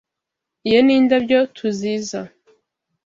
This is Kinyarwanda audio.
Iyo ni indabyo TUZIza.